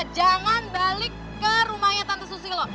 jangan balik ke rumahnya tante susilo